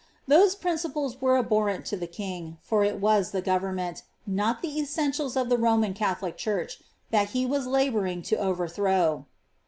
Those principles were abhorrent to the king, for it was the govemnieDt, not tlie CHsiMitials of the Itouiaii Catholic church, that he waa labouring to overthrow.